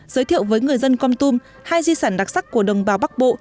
giới thiệu với người dân con tum hai di sản đặc sắc của đồng bào bắc bộ